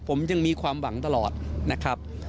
ผมยังมีความหวังตลอดนะครับ